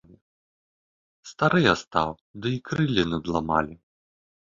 Стары я стаў, ды і крыллі надламалі.